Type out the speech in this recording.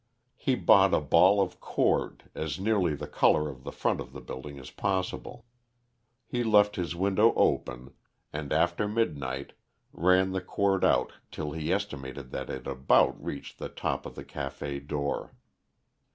He bought a ball of cord, as nearly the colour of the front of the building as possible. He left his window open, and after midnight ran the cord out till he estimated that it about reached the top of the café door.